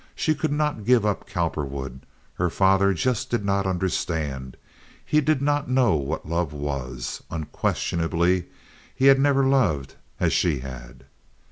She could not give up Cowperwood. Her father just did not understand. He did not know what love was. Unquestionably he had never loved as she had.